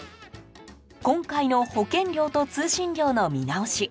今回の保険料と通信料の見直し